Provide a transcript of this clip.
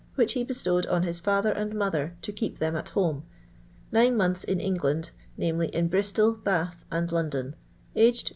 which he bestowid on his fiither and mother to keep them at home. Nine months in England, viz., in Bristol, Bath, and Londoa Aged S5.